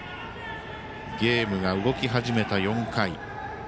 ゲームが動き始めた４回。